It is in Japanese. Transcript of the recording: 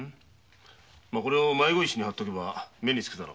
これを迷子石に貼っておけば目につくだろ。